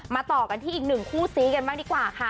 ต่อกันที่อีกหนึ่งคู่ซีกันบ้างดีกว่าค่ะ